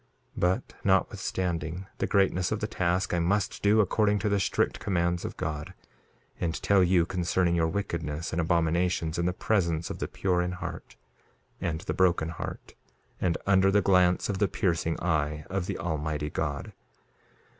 2:10 But, notwithstanding the greatness of the task, I must do according to the strict commands of God, and tell you concerning your wickedness and abominations, in the presence of the pure in heart, and the broken heart, and under the glance of the piercing eye of the Almighty God.